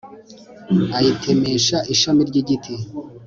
ayitemesha ishami ry'igiti